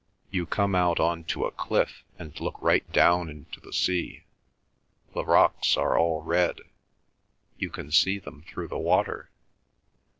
You come out on to a cliff and look right down into the sea. The rocks are all red; you can see them through the water.